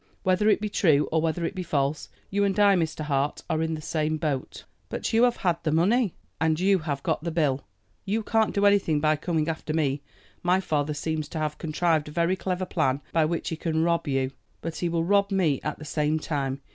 Whether it be true or whether it be false, you and I, Mr. Hart, are in the same boat." "But you have had de money." "And you have got the bill. You can't do anything by coming after me. My father seems to have contrived a very clever plan by which he can rob you; but he will rob me at the same time.